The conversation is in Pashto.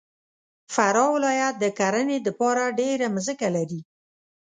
فراه ولایت د کرهنې دپاره ډېره مځکه لري.